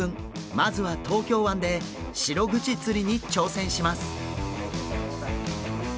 まずは東京湾でシログチ釣りに挑戦します！